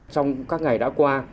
trong các ngày đã qua